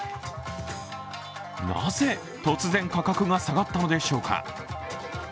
なぜ、突然、価格が下がったのでしょうか。